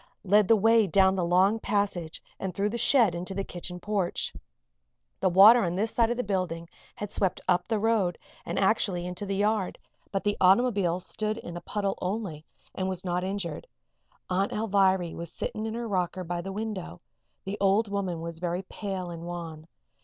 led the way down the long passage and through the shed into the kitchen porch. The water on this side of the building had swept up the road and actually into the yard; but the automobile stood in a puddle only and was not injured. Aunt Alviry was sitting in her rocker by the window. The old woman was very pale and wan.